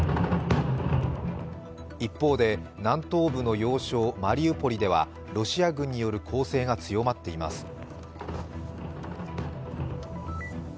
一方で南東部の要衝マリウポリではロシア軍による攻勢が強まっています。